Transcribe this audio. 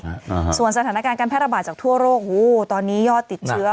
อ่าส่วนสถานการณ์การแพร่ระบาดจากทั่วโลกหูตอนนี้ยอดติดเชื้อ